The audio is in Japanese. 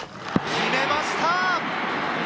決めました。